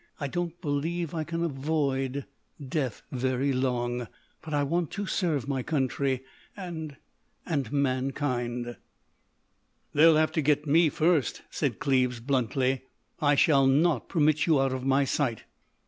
I don't believe I can avoid—death—very long.... But I want to serve my country and—and mankind." "They'll have to get me first," said Cleves, bluntly. "I shall not permit you out of my sight."